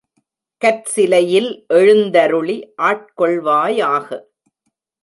கற்சிலையில் எழுந்தருளி ஆட்கொள் வாயாக!